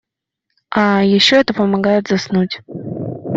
А ещё это помогает заснуть.